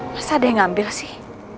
masa ada yang ngambil sih